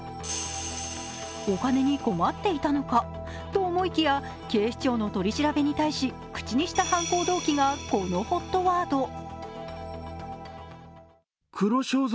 お金に困っていたのかと思いきや警視庁の取り調べに対し口にした犯行動機がこのＨＯＴワード。